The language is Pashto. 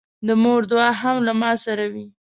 د مور دعا هم له ما سره وي.